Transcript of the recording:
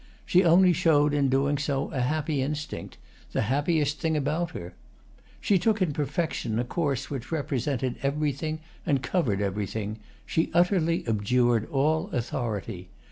She only showed in doing so a happy instinct—the happiest thing about her. She took in perfection a course which represented everything and covered everything; she utterly abjured all authority.